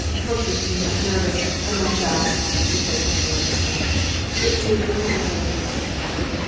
"Forgive me, I'm nervous, I'm unjust," she said, controlling herself, "but do go away...."